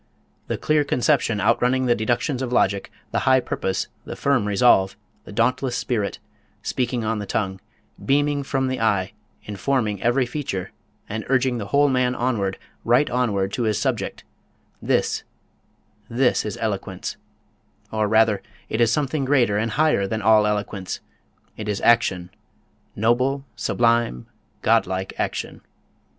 The clear conception outrunning the deductions of logic, the high purpose, the firm resolve, the dauntless spirit, speaking on the tongue, beaming from the eye, informing every feature, and urging the whole man onward, right onward to his subject this, this is eloquence; or rather, it is something greater and higher than all eloquence; it is action, noble, sublime, godlike action."